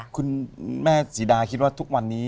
คุณแม่ศรีดาคิดว่าทุกวันนี้